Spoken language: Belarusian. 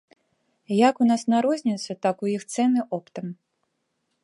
Як у нас на розніцу, так у іх цэны оптам.